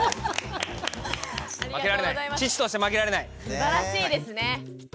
すばらしいですね。